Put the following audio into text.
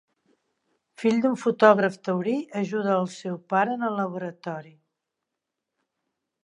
Fill d'un fotògraf taurí ajuda al seu pare en el laboratori.